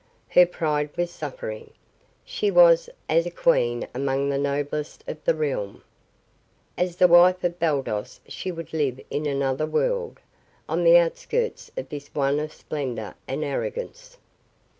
Her pride was suffering. She was as a queen among the noblest of the realm. As the wife of Baldos she would live in another world on the outskirts of this one of splendor and arrogance.